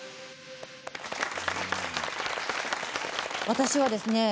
私はですね